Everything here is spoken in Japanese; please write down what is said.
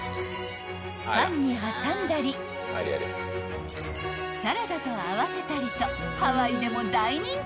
［パンに挟んだりサラダと合わせたりとハワイでも大人気］